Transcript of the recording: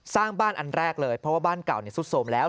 สร้างบ้านอันแรกเลยเพราะว่าบ้านเก่าสุดโสมแล้ว